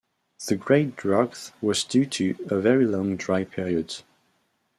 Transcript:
The great drought was due to a very long dry period.